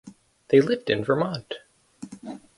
They lived in Vermont.